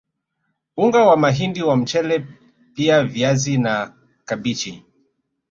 Unga wa mahindi na mchele pia viazi na kabichi